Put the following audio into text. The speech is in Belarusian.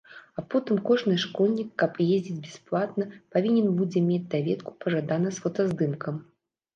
А потым кожны школьнік, каб ездзіць бясплатна, павінен будзе мець даведку, пажадана з фотаздымкам.